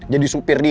jadi supir dia